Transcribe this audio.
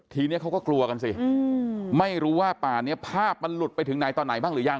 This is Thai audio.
ทีนี้เขาก็กลัวกันสิไม่รู้ว่าป่านี้ภาพมันหลุดไปถึงไหนต่อไหนบ้างหรือยัง